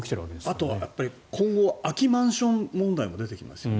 あと、今後空きマンション問題も出てきますよ。